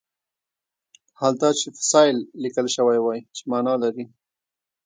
حال دا چې فصیل لیکل شوی وای چې معنی لري.